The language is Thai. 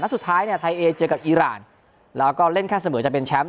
สุดท้ายเนี่ยไทยเอเจอกับอีรานแล้วก็เล่นแค่เสมอจะเป็นแชมป์